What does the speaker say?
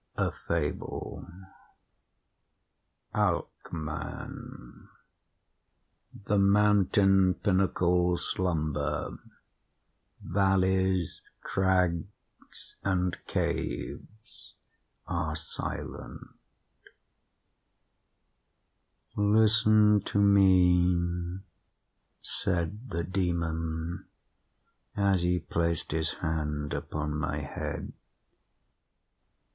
SILENCE—A FABLE "The mountain pinnacles slumber; valleys, crags and caves are silent." "Listen to me," said the Demon as he placed his hand upon my head.